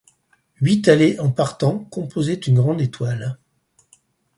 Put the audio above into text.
Huit allées en partant composaient une grande étoile.